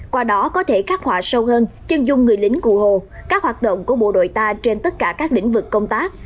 qua đó có thể khắc họa sâu hơn chân dung người lính cụ hồ các hoạt động của bộ đội ta trên tất cả các lĩnh vực công tác